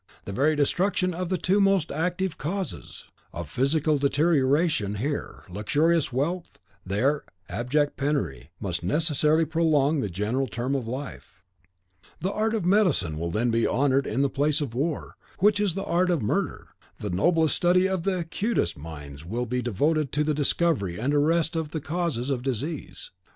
The very destruction of the two most active causes of physical deterioration here, luxurious wealth; there, abject penury, must necessarily prolong the general term of life. (See Condorcet's posthumous work on the Progress of the Human Mind. Ed.) The art of medicine will then be honoured in the place of war, which is the art of murder: the noblest study of the acutest minds will be devoted to the discovery and arrest of the causes of disease.